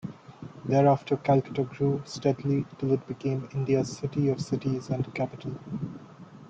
Thereafter "Calcutta grew steadily till it became India's 'city of cities' and capital".